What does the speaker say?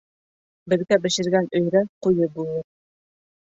Бергә бешергән өйрә ҡуйы булыр.